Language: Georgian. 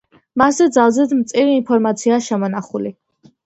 მასზე ძალზედ მწირი ინფორმაციაა შემონახული.